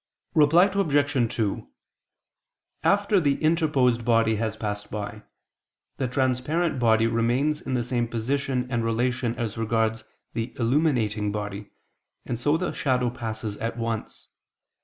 Reply Obj. 2: After the interposed body has passed by, the transparent body remains in the same position and relation as regards the illuminating body, and so the shadow passes at once.